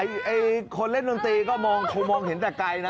ไอไอคนเล่นวลิเมตรก็มองเค้ามองเห็นแต่ไกลนะ